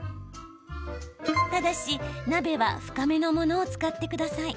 ただし、鍋は深めのものを使ってください。